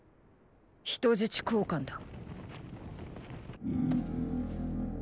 “人質交換”だ。